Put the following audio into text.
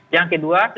yang kedua saya kira